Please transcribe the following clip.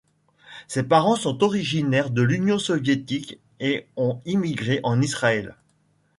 Ses parents sont originaires de l'Union Soviétique et ont immigré en Israël.